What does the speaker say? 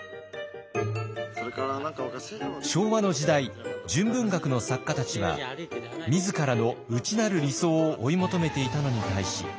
昭和の時代純文学の作家たちは自らの内なる理想を追い求めていたのに対し。